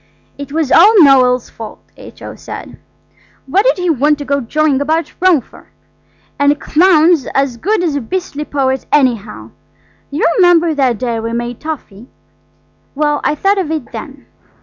"It was all Noël's fault," H.O. said; "what did he want to go jawing about Rome for?–and a clown's as good as a beastly poet, anyhow! You remember that day we made toffee? Well, I thought of it then."